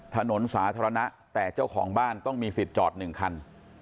ถนนสาธารณะแต่เจ้าของบ้านต้องมีสิทธิ์จอด๑คัน